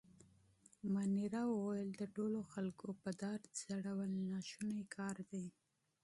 مانیرا وویل: د ټولو خلکو په دار ځړول ناشونی کار دی.